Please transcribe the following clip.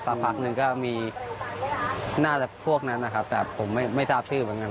พักหนึ่งก็มีน่าจะพวกนั้นนะครับแต่ผมไม่ทราบชื่อเหมือนกัน